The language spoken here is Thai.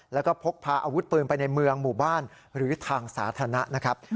แล้วก็พกพาอาวุธปืนไปในเมืองหมู่บ้านหรือทางสาธารณะนะครับ